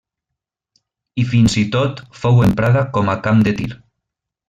I fins i tot fou emprada com a camp de tir.